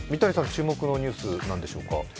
注目のニュースは何でしょうか？